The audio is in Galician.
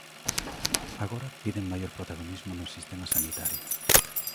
Agora piden maior protagonismo no sistema sanitario.